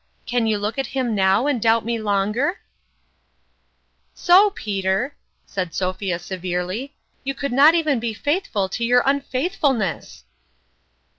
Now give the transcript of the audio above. Can you look at him now, and doubt me longer ?"" So, Peter," said Sophia severely, " you could not even be faithful to your unfaithful ness